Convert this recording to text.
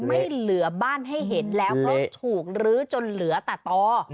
ไม่เหลือบ้านให้เห็นแล้วเพราะถูกลื้อจนเหลือแต่ต่อ